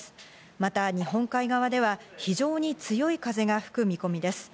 また日本海側では非常に強い風が吹く見込みです。